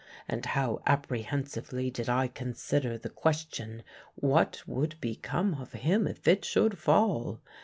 and how apprehensively did I consider the question, what would become of him if it should fall!